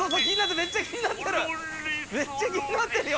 めっちゃ気になってるよ。